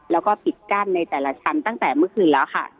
แล้วก็ปิดกั้นในแต่ละชั้นตั้งแต่เมื่อคืนแล้วค่ะ